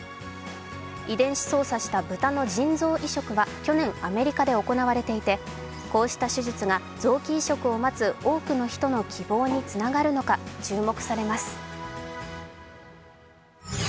遺伝子操作した豚の腎臓移植は去年アメリカで行われていて、こうした手術が臓器移植を待つ多くの人の希望につながるのか注目されます。